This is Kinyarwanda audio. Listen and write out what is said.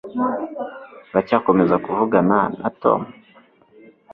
Uracyakomeza kuvugana na Tom?